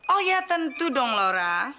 oh ya tentu dong lora